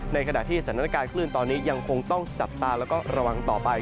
ในขณะที่สถานการณ์คลื่นตอนนี้ยังคงต้องจับตาแล้วก็ระวังต่อไป